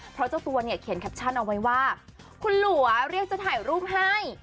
เพราะเจ้าตัวเนี่ยเขียนแคปชั่นเอาไว้ว่าคุณหลัวเรียกจะถ่ายรูปให้